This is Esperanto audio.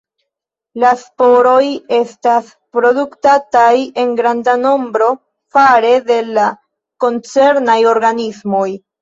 La sporoj estas produktataj en granda nombro fare de la koncernaj organismoj.